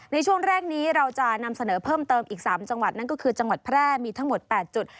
ในช่วงแรกนี้เราจะนำเสนอเพิ่มเติมอีก๓จังหวัดนั่นก็คือจังหวัดแพร่มีทั้งหมด๘จุด